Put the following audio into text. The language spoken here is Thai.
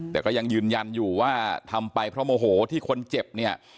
แต่ก็ยังยืนยันอยู่ว่าทำไปเพราะโมโหที่คนเจ็บเนี่ย